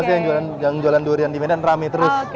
itu yang jualan durian di medan rame terus